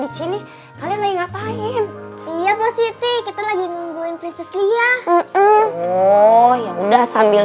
di sini kalian lagi ngapain iya positif kita lagi nungguin krisis lia oh ya udah sambil